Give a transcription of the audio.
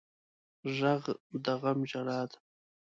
غږ د غم ژړا ده